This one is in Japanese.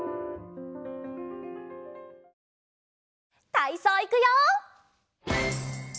たいそういくよ！